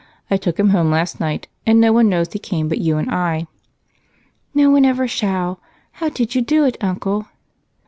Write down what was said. I took him home last night, and no one knows he came but you and I." "No one ever shall. How did you do it, Uncle?"